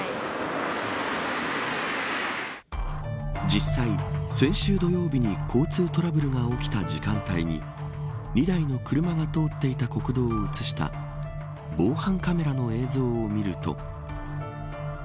実際、先週土曜日に交通トラブルが起きた時間帯に２台の車が通っていた国道を映した防犯カメラの映像を見ると。